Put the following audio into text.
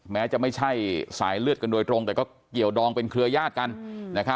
แม้จะไม่ใช่สายเลือดกันโดยตรงแต่ก็เกี่ยวดองเป็นเครือญาติกัน